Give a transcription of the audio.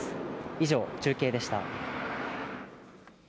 以上、中継でした。